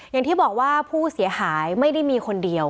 อย่างที่บอกว่าผู้เสียหายไม่ได้มีคนเดียว